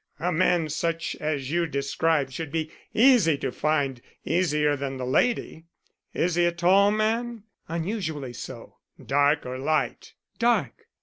A man such as you describe should be easy to find; easier than the lady. Is he a tall man?" "Unusually so." "Dark or light?" "Dark."